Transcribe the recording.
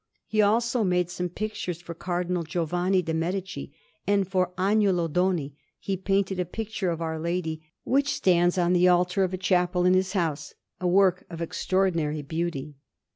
He also made some pictures for Cardinal Giovanni de' Medici; and for Agnolo Doni he painted a picture of Our Lady, which stands on the altar of a chapel in his house a work of extraordinary beauty.